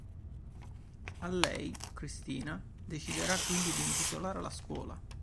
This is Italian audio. A lei Kristina deciderà quindi di intitolare la scuola.